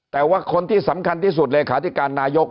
แต่ว่าคนที่สำคัญที่สุดเลขาธิการนายก